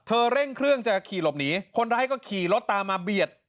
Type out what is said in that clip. เร่งเครื่องจะขี่หลบหนีคนร้ายก็ขี่รถตามมาเบียด